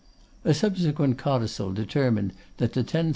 A subsequent codicil determined that the 10,000_l.